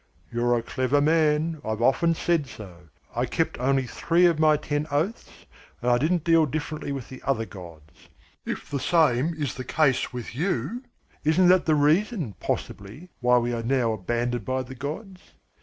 "You're a clever man. I've often said so. I kept only three of my ten oaths, and I didn't deal differently with the other gods. If the same is the case with you, isn't that the reason, possibly, why we are now abandoned by the gods?